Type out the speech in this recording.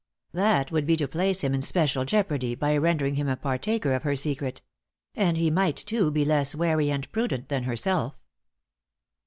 That would be to place him in special jeopardy, by rendering him a partaker of her secret; and he might, too, be less wary and prudent than herself.